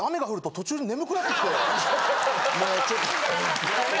もうちょっと。